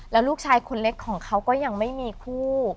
แล้วลูกชายคนเล็กของเขาก็ยังไม่มีคู่